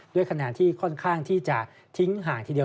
ด้วยคะแนนที่ค่อนข้างที่จะทิ้งห่างทีเดียว